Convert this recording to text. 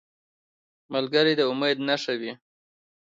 ملګری د امید نښه وي